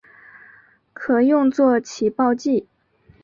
可用作起爆剂。